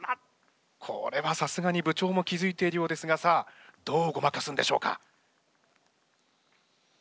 これはさすがに部長も気付いているようですがさあどうごまかすんでしょうか。